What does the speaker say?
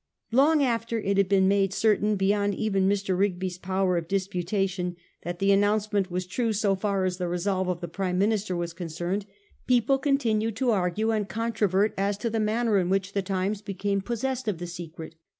Long after it had been made certain, beyond even Mr. Rigby's power of disputation, that the announcement 1845. THE 'TIMES' AND THE CABINET. 371 was true so far as the resolve of the Prime Minister was concerned, people continued to argue and com trovert as to the manner in which the Times became possessed of the secret.